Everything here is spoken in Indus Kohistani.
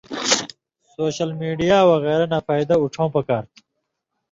سوشل میڈیا وغیرہ نہ فَیدہ اُڇھؤں پکار تُھو۔